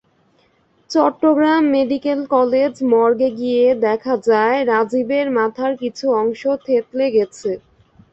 Chittagong medical college মর্গে গিয়ে দেখা যায়, রাজীবের মাথার কিছু অংশ থেঁতলে গেছে।